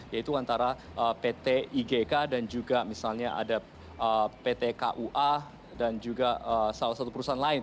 yaitu antara pt igk dan juga misalnya ada pt kua dan juga salah satu perusahaan lain